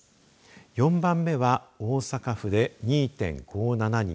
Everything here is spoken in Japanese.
４番目は大阪府で２．５７人。